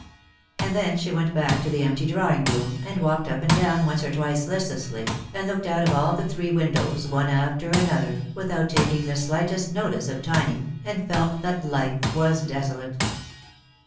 And then she went back to the empty drawing room, and walked up and down once or twice listlessly, and looked out of all the three windows one after another, without taking the slightest notice of Tiny, and felt that life was desolate Lost for Love.